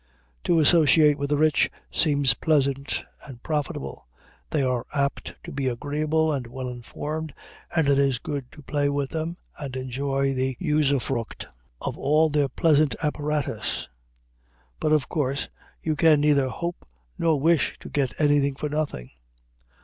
To associate with the rich seems pleasant and profitable. They are apt to be agreeable and well informed, and it is good to play with them and enjoy the usufruct of all their pleasant apparatus; but, of course, you can neither hope nor wish to get anything for nothing.